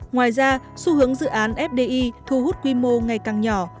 ngoài ra xu hướng dự án fdi thu hút quy mô ngày càng nhỏ